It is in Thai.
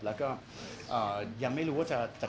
นั่นคนเดียวครับ